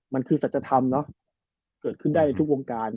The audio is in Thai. มันคือศาสตราธิธรรมเกิดขึ้นได้ในทุกวงการ